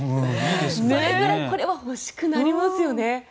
それくらい欲しくなりますよね。